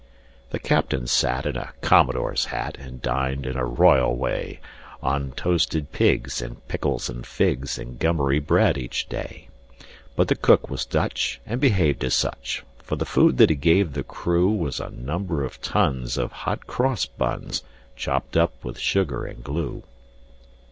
The captain sat in a commodore's hat And dined, in a royal way, On toasted pigs and pickles and figs And gummery bread, each day. But the cook was Dutch, and behaved as such; For the food that he gave the crew Was a number of tons of hot cross buns, Chopped up with sugar and glue.